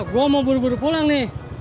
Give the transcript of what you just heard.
gue mau buru buru pulang nih